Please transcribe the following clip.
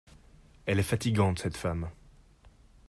Elle est fatigante cette femme.